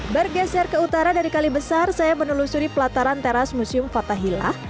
bergeser ke utara dari kali besar saya menelusuri pelataran teras museum fathahillah